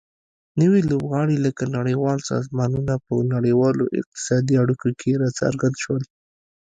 نوي لوبغاړي لکه نړیوال سازمانونه په نړیوالو اقتصادي اړیکو کې راڅرګند شول